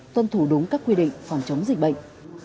tuân thủ đúng các quy định phòng chống dịch bệnh